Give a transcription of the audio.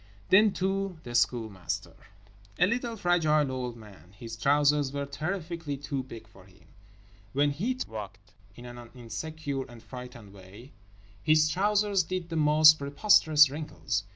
Then, too, the Schoolmaster. A little fragile old man. His trousers were terrifically too big for him. When he walked (in an insecure and frightened way) his trousers did the most preposterous wrinkles.